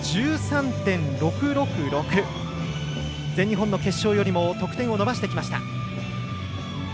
全日本の決勝よりも得点を伸ばしてきました。